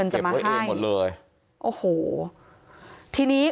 ความปลอดภัยของนายอภิรักษ์และครอบครัวด้วยซ้ำ